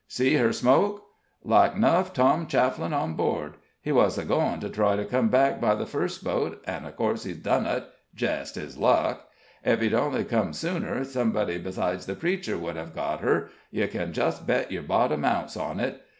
"See her smoke? Like 'nuff Tom Chafflin's on board. He wuz a goin' to try to come back by the first boat, an' of course he's done it jest his luck. Ef he'd only come sooner, somebody besides the preacher would hev got her you kin just bet your bottom ounce on it.